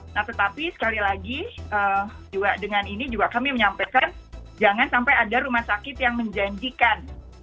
nah tetapi sekali lagi dengan ini juga kami menyampaikan jangan sampai ada rumah sakit yang menjanjikan